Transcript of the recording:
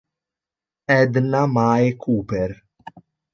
Edna Mae Cooper